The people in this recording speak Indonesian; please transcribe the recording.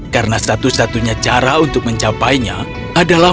karena satu satunya cara untuk mencapainya adalah